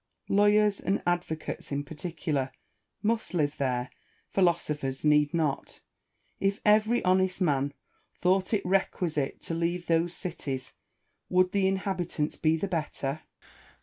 Lawyers, and advocates in particular, must live there ; philosophers need not. If every honest man thought it requisite to leave those cities, would the inhab itants be the better 1 Rousseau.